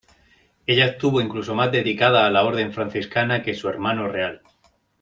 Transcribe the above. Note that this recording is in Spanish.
Ella estuvo incluso más dedicada a la orden franciscana que su hermano real.